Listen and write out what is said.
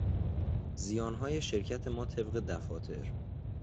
زیانهای شرکت ما طبق دفاتر